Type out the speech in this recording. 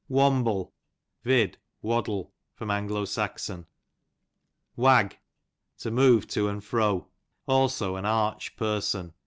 Wamble, vid. waddle. A. S. Wag, to move to and fro ; also an arch person.